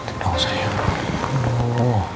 tidak usah ya aduh